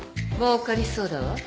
もうかりそうだわ。